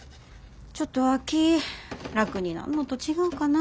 ちょっとは気ぃ楽になんのと違うかな。